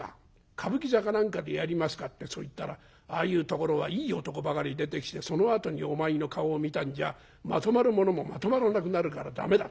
歌舞伎座か何かでやりますか？』ってそう言ったら『ああいうところはいい男ばかり出てきてそのあとにお前の顔を見たんじゃまとまるものもまとまらなくなるから駄目だ』って。